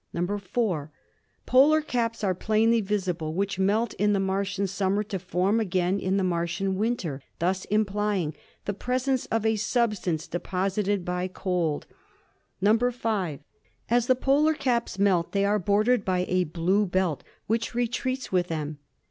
"(4) Polar caps are plainly visible which melt in the Martian summer to form again in the Martian winter, thus implying the presence of a substance deposited by cold. "(5) As the polar caps melt they are bordered by a blue belt, which retreats with them.